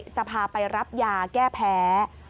จะพาไปรับยาแก้แพ้